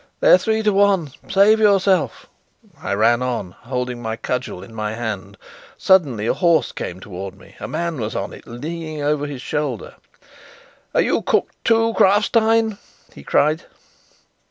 "They're three to one. Save yourself!" I ran on, holding my cudgel in my hand. Suddenly a horse came towards me. A man was on it, leaning over his shoulder. "Are you cooked too, Krafstein?" he cried.